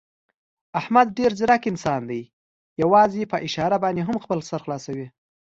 احمد ډېر ځیرک انسان دی، یووازې په اشاره باندې هم خپل سر خلاصوي.